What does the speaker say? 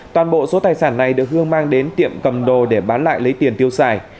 toàn bộ số tài sản này được hương mang đến tiệm cầm đồ để bán lại lấy tiền tiêu xài